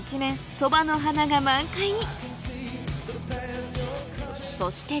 ソバの花が満開に